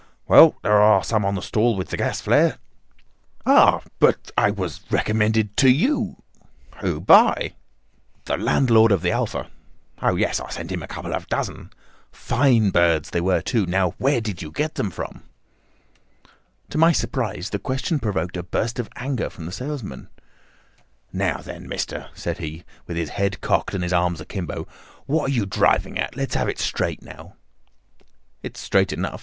"Well, there are some on the stall with the gas flare." "Ah, but I was recommended to you." "Who by?" "The landlord of the Alpha." "Oh, yes; I sent him a couple of dozen." "Fine birds they were, too. Now where did you get them from?" To my surprise the question provoked a burst of anger from the salesman. "Now, then, mister," said he, with his head cocked and his arms akimbo, "what are you driving at? Let's have it straight, now." "It is straight enough.